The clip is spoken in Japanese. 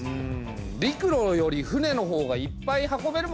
陸路より船のほうがいっぱい運べるもんね。